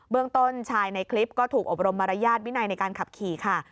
เมืองต้นชายในคลิปก็ถูกอบรมมารยาทวินัยในการขับขี่ค่ะ